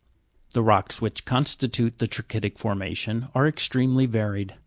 11. The rocks which constitute the tra'chytic formation are ex tremely varied.